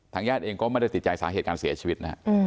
ทั้งแยกเองก็ไม่ได้ติดใจสาเหตุการณ์เสียชีวิต